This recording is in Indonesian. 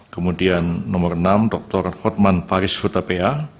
kemudian nomor enam dr hotman paris hutapea